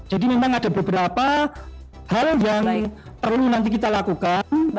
memang ada beberapa hal yang perlu nanti kita lakukan